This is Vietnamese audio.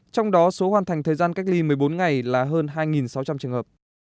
trong đó số hoàn thành thời gian cách ly một mươi bốn ngày là hơn hai sáu trăm linh trường hợp